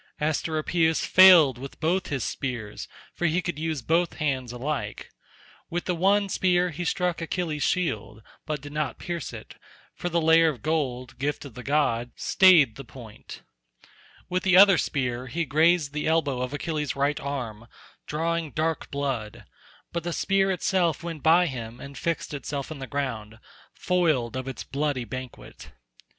Asteropaeus failed with both his spears, for he could use both hands alike; with the one spear he struck Achilles' shield, but did not pierce it, for the layer of gold, gift of the god, stayed the point; with the other spear he grazed the elbow of Achilles' right arm drawing dark blood, but the spear itself went by him and fixed itself in the ground, foiled of its bloody banquet.